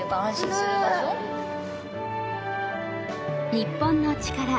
『日本のチカラ』